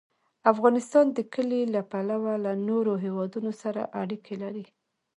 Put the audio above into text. افغانستان د کلي له پلوه له نورو هېوادونو سره اړیکې لري.